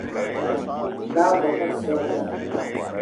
Te bagbe ma soo an da